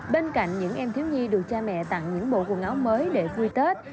bên cạnh những em thiếu nhi được cha mẹ tặng những bộ quần áo mới để vui tết